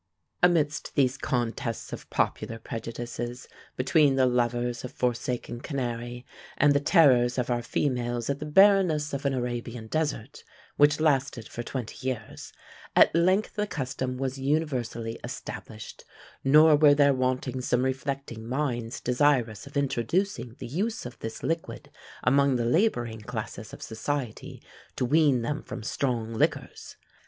Amidst these contests of popular prejudices, between the lovers of forsaken Canary, and the terrors of our females at the barrenness of an Arabian desert, which lasted for twenty years, at length the custom was universally established; nor were there wanting some reflecting minds desirous of introducing the use of this liquid among the labouring classes of society, to wean them from strong liquors.